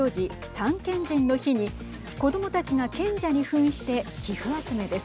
三賢人の日に子どもたちが賢者にふんして寄付集めです。